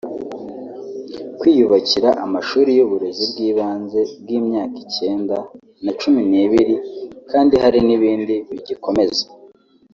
kwiyubakira amashuri y’uburezi bw’ibanze bw’imyaka icyenda na cumi n’ibiri kandi hari n’ibindi bigikomeza